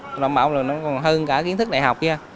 tôi đảm bảo là nó còn hơn cả kiến thức đại học nha